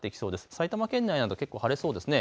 埼玉県内など結構晴れそうですね。